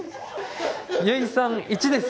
ユイさん１です。